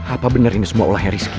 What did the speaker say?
apa benar ini semua olahnya rizky